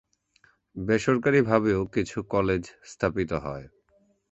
বেসরকারিভাবেও কিছু কলেজ স্থাপিত হয়।